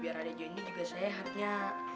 biar adik jo ini juga sehat ya